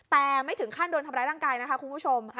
แต่ไม่ถึงขั้นโดนทำร้ายร่างกายนะคะคุณผู้ชม